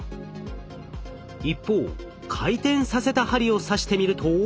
一方回転させた針を刺してみると。